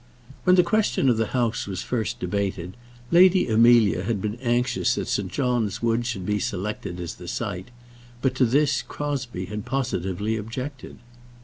When the question of the house was first debated, Lady Amelia had been anxious that St. John's Wood should be selected as the site, but to this Crosbie had positively objected.